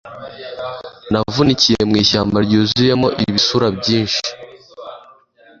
Navunikiye mu ishyamba ryuzuyemo ibisura byinshi,